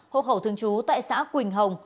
hộ khẩu thương chú tại xã quỳnh hồng